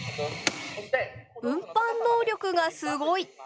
運搬能力がすごい！